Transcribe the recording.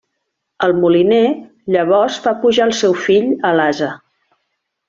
El moliner llavors fa pujar el seu fill a l'ase.